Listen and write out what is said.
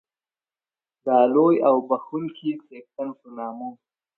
د لوی او بخښونکی څښتن په نامه